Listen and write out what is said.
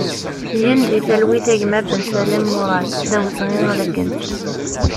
Gen di talwit a gma Bensalem Murad, d awezɣi ad k-nettu!